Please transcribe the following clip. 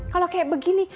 kalo kayak begini